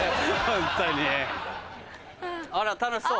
あら楽しそう。